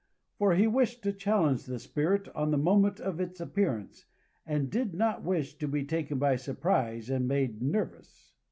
For he wished to challenge the Spirit on the moment of its appearance, and did not wish to be taken by surprise and made nervous.